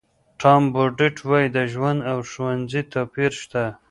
ټام بوډیټ وایي د ژوند او ښوونځي توپیر شته.